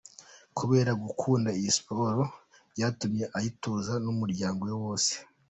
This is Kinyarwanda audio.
Kubera gukunda iyi siporo, byatumye ayitoza n’umuryango we wose.